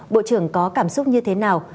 bộ trưởng có cảm xúc như thế nào